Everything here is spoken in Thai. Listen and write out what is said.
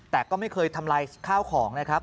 แต่ก็ไม่เคยทำลายข้าวของนะครับ